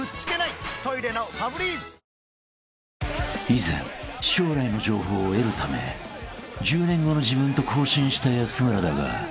［以前将来の情報を得るため１０年後の自分と交信した安村だが］